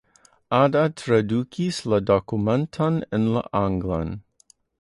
Ada tradukis la dokumenton en la anglan.